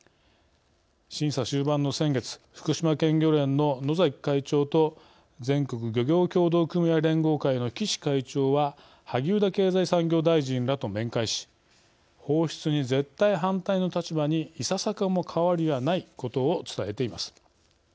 審査終盤の先月福島県漁連の野崎会長と全国漁業協同組合連合会の岸会長は萩生田経済産業大臣らと面会し「放出に絶対反対の立場にいささかも変わりはない」ことを伝えています。